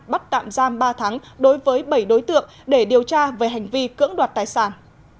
bắt tạm giam ba tháng đối với bảy đối tượng để điều tra về hành vi cưỡng đoạt tài sản